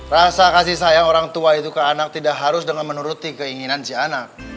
rasa kasih sayang orang tua itu ke anak tidak harus dengan menuruti keinginan si anak